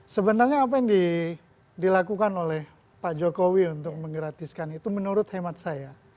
sebenarnya apa yang dilakukan oleh pak jokowi untuk menggratiskan itu menurut hemat saya